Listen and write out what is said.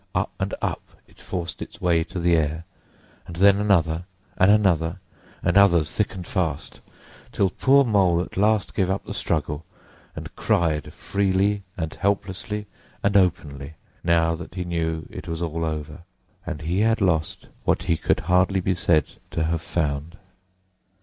Up and up, it forced its way to the air, and then another, and another, and others thick and fast; till poor Mole at last gave up the struggle, and cried freely and helplessly and openly, now that he knew it was all over and he had lost what he could hardly be said to have found.